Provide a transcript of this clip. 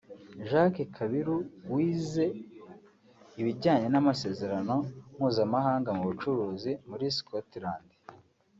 Jacques Kabiru wize ibijyanye n’Amasezerano Mpuzamahanga mu Bucuruzi muri Scotland